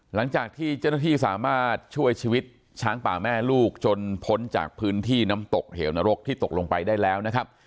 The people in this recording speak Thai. หลังจากที่เจ้าหน้าที่สามารถช่วยชีวิตช้างป่าแม่ลูกจนพ้นจากพื้นที่น้ำตกเหวนรกที่ตกลงไปได้แล้วนะครับ